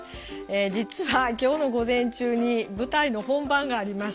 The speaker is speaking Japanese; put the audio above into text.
実は今日の午前中に舞台の本番がありまして。